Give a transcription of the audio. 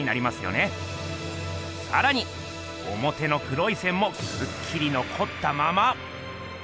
さらにおもての黒い線もくっきりのこったまま。